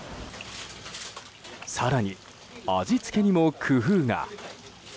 更に味付けにも工夫が。